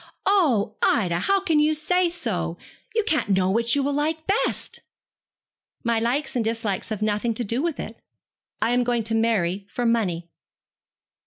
'Oh, Ida, how can you say so? You can't know which you will like best.' 'My likes and dislikes have nothing to do with it. I am going to marry for money.'